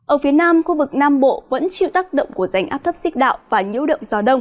ở phía nam khu vực nam bộ vẫn chịu tác động của rãnh áp thấp xích đạo và nhiễu động gió đông